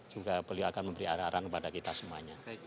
juga beliau akan memberi arah arahan kepada kita semuanya